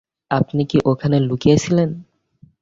আপনি কি ওখানে লুকিয়ে ছিলেন?